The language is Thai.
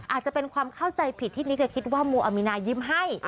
อาจจะเป็นความเข้าใจผิดที่นิกคิดว่าโมอามีนายิ้มให้